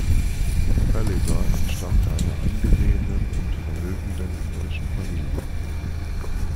Palliser entstammte einer angesehenen und vermögenden irischen Familie.